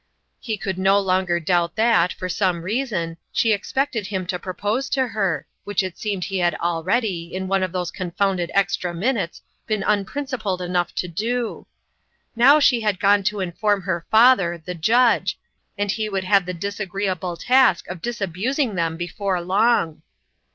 He could no longer Jktfr in l)is oujn Coin. 151 doubt that, for some reason, she expected him to propose to her, which it seemed he had al ready, in one of those confounded extra min utes, been unprincipled enough to do ! Now she had gone to inform her father, the judge, and he would have the disagreeable task of disabusing them before long